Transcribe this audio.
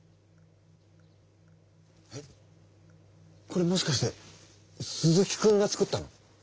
これもしかして鈴木くんが作ったの？